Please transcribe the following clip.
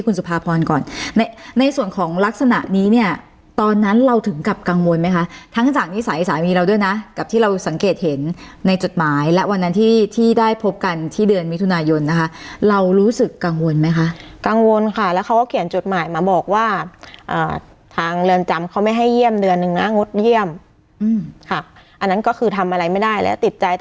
คุณสุภาพรก่อนในในส่วนของลักษณะนี้เนี่ยตอนนั้นเราถึงกับกังวลไหมคะทั้งจากนิสัยสามีเราด้วยนะกับที่เราสังเกตเห็นในจดหมายและวันนั้นที่ที่ได้พบกันที่เดือนมิถุนายนนะคะเรารู้สึกกังวลไหมคะกังวลค่ะแล้วเขาก็เขียนจดหมายมาบอกว่าทางเรือนจำเขาไม่ให้เยี่ยมเดือนหนึ่งนะงดเยี่ยมค่ะอันนั้นก็คือทำอะไรไม่ได้และติดใจต